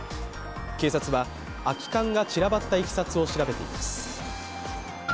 警察は空き缶が散らばったいきさつを調べています。